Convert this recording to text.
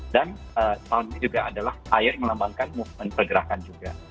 dan tahun ini juga adalah air melambangkan movement pergerakan juga